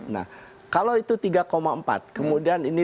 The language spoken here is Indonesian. nah kalau itu tiga empat kemudian ini lima dua